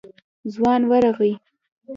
ځوان ورغی.